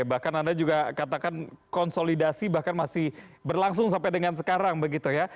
bahkan anda juga katakan konsolidasi bahkan masih berlangsung sampai dengan sekarang begitu ya